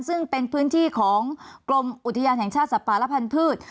ซึ่งเป็นพื้นที่ของกรมอุทยานแห่งชาติสัตว์ป่าและพันธุ์